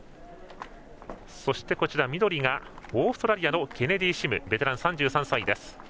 そして、緑がオーストラリアのケネディシムベテラン３３歳です。